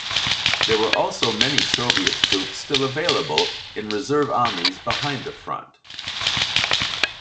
There were also many Soviet troops still available in reserve armies behind the front.